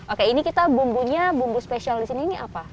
oke ini kita bumbunya bumbu spesial di sini ini apa